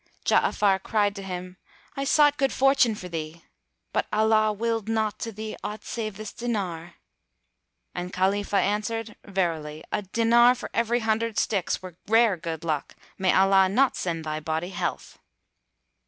Ja'afar cried to him, "I sought good fortune for thee, but Allah willed not to thee aught save this dinar." And Khalifah answered, "Verily, a dinar for every hundred sticks were rare good luck, may Allah not send thy body health!"